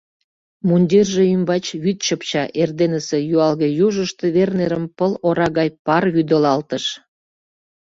Мундирже ӱмбач вӱд чыпча, эрденысе юалге южышто Вернерым пыл ора гай пар вӱдылалтыш.